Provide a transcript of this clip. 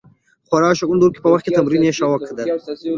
د غوړ او د شکر درلودلو په وخت کې تمرین يې ښه وقايه ده